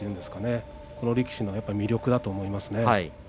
この力士の魅力だと思いますね。